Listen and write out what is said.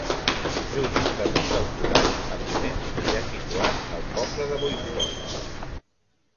Just damunt del forat, a ponent, hi ha situat el poble de Bóixols.